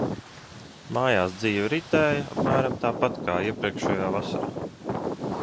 Mājās dzīve ritēja apmēram tāpat kā iepriekšējā vasarā.